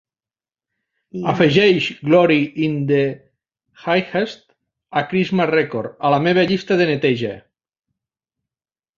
Afegeix "Glory in the Highest: A Christmas Record" a la meva llista de neteja